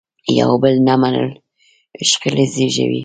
یو بل نه منل شخړې زیږوي.